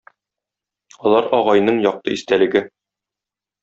Алар агайның якты истәлеге.